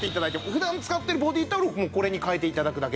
普段使ってるボディータオルをこれに替えて頂くだけでいいんで。